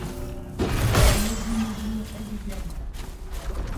Ce dernier l'humilie régulièrement.